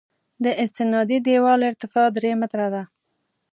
د استنادي دیوال ارتفاع درې متره ده